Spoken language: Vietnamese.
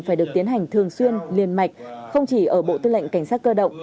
phải được tiến hành thường xuyên liên mạch không chỉ ở bộ tư lệnh cảnh sát cơ động